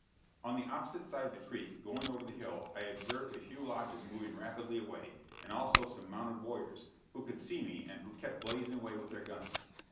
On the opposite side of the creek, going over the hill, I observed a few lodges moving rapidly away, and also some mounted warriors, who could see me, and who kept blazing away with their guns.